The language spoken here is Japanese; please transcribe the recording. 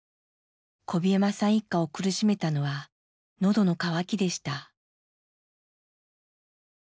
小檜山さん一家を苦しめたのはのどの渇きでした。